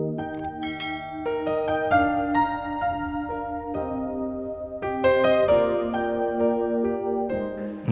kamu harus terima takdir